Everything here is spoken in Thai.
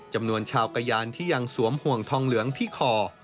จำนวนชาวกะยานที่ยังสวมห่วงทองเหลืองที่คอ